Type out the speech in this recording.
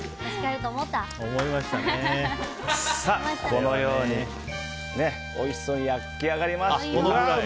このようにおいしそうに焼き上がりました。